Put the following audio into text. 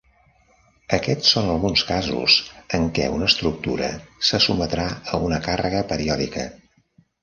Aquests són alguns casos en què una estructura se sotmetrà a una càrrega periòdica.